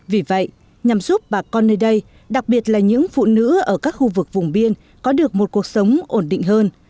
vì vậy nhằm giúp bà con nơi đây đặc biệt là những phụ nữ ở các khu vực vùng biên có được một cuộc sống ổn định hơn